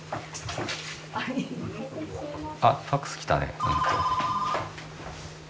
あっファックス来たね。